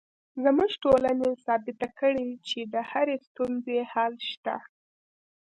زموږ ټولنې ثابته کړې چې د هرې ستونزې حل شته